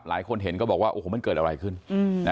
หลายคนเห็นก็บอกว่าโอ้โหมันเกิดอะไรขึ้น